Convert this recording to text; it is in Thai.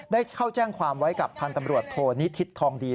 ได้เข้าแจ้งความไว้กับพันธ์ตำรวจโทนิทิศทองดี